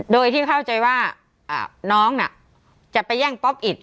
โดยที่เข้าใจว่าน้องน่ะจะไปแย่งป๊อปอิต